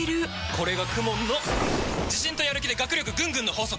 これがＫＵＭＯＮの自信とやる気で学力ぐんぐんの法則！